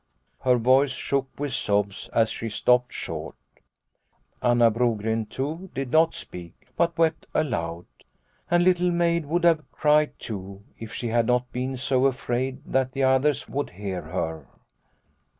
Her voice shook with sobs and she stopped short. Anna Brogren, too, did not speak, but wept aloud. And Little Maid would have cried, too, if she had not been so afraid that the others would hear her.